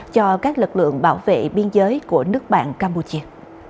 cho các lực lượng bảo vệ biên giới của nước bạn campuchia